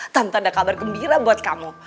tanpa ada kabar gembira buat kamu